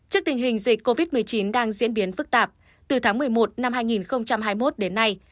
trước tình hình dịch covid một mươi chín đang diễn biến phức tạp từ tháng một mươi một năm hai nghìn hai mươi một đến nay